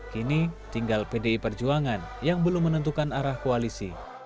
kini tinggal pdi perjuangan yang belum menentukan arah koalisi